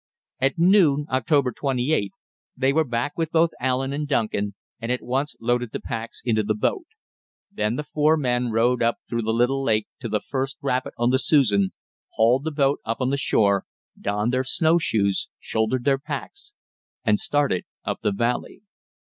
At noon (October 28th) they were back with both Allen and Duncan, and at once loaded the packs into the boat. Then the four men rowed up through the little lake to the first rapid on the Susan, hauled the boat up on the shore, donned their snowshoes, shouldered their packs, and started up the valley.